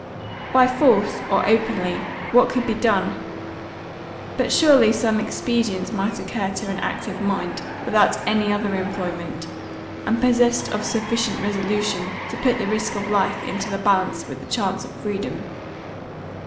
By force, or openly, what could be done? But surely some expedient might occur to an active mind, without any other employment, and possessed of sufficient resolution to put the risk of life into the balance with the chance of freedom.